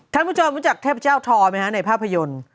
ท่านผู้ชมรู้จักเทพเจ้าทอไหมฮะในภาพยนตร์